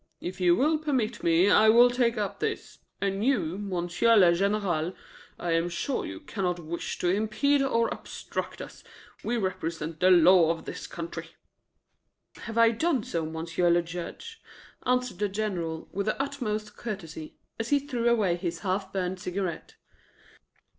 "If you will permit me, I will take up this. And you, M. le Général, I am sure you cannot wish to impede or obstruct us; we represent the law of this country." "Have I done so, M. le Juge?" answered the General, with the utmost courtesy, as he threw away his half burned cigarette.